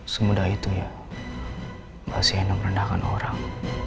semudah itu ya masih enak merendahkan orang